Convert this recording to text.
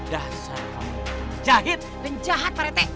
dasar kamu jahit dan jahat pak rete